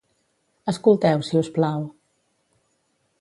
Escolteu, si us plau.